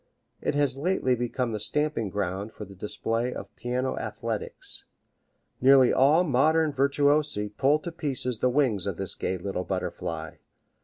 It has lately become the stamping ground for the display of piano athletics. Nearly all modern virtuosi pull to pieces the wings of this gay little butterfly.